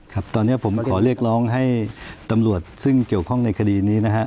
ครับตอนนี้ผมขอเรียกร้องให้ตำรวจซึ่งเกี่ยวข้องในคดีนี้นะฮะ